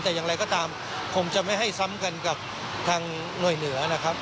แต่อย่างไรก็ตามคงจะไม่ให้ซ้ำกันกับทางหน่วยเหนือนะครับ